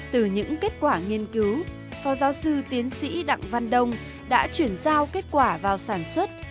từ những kết quả nghiên cứu phó giáo sư tiến sĩ đặng văn đông đã chuyển giao kết quả vào sản xuất